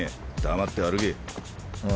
黙って歩けあ